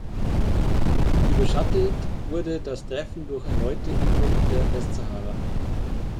Überschattet wurde das Treffen durch erneute Unruhen in der Westsahara.